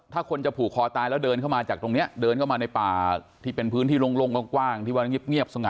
ถ้าคนจะผูกคอตายแล้วเดินเข้ามาจากตรงนี้เดินเข้ามาในป่าที่เป็นพื้นที่โล่งกว้างที่ว่าเงียบสง่า